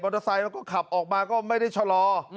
เตอร์ไซค์มันก็ขับออกมาก็ไม่ได้ชะลอ